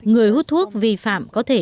người hút thuốc vi phạm có thể